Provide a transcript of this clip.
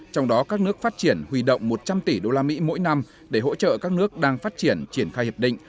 trong đó các nước phát triển huy động một trăm linh tỷ usd mỗi năm để hỗ trợ các nước đang phát triển triển khai hiệp định